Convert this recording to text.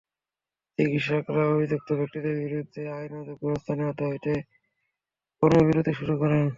চিকিৎসকেরা অভিযুক্ত ব্যক্তিদের বিরুদ্ধে আইনানুগ ব্যবস্থা নেওয়ার দাবিতে কর্মবিরতি শুরু করেন।